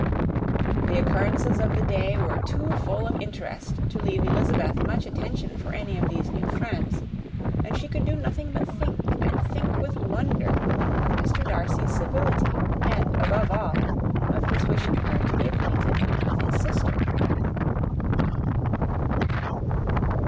The occurrences of the day were too full of interest to leave Elizabeth much attention for any of these new friends; and she could do nothing but think, and think with wonder, of Mr. Darcy's civility, and, above all, of his wishing her to be acquainted with his sister.